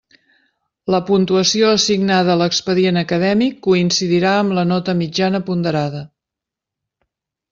La puntuació assignada a l'expedient acadèmic coincidirà amb la nota mitjana ponderada.